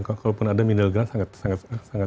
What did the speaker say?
kalaupun ada middle grand sangat